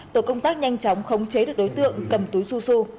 tổ công tác nhanh chóng khống chế được đối tượng cầm túi su su